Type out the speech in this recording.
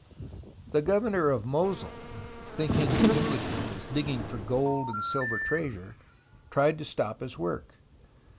The Governor of Mosul, thinking the Englishman was digging for gold and silver treasure, tried to stop his work.